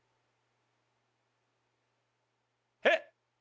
えっ？